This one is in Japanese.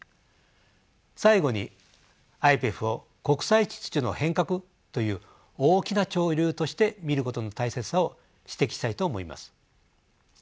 最後にＩＰＥＦを国際秩序の変革という大きな潮流として見ることの大切さを指摘したいと思います。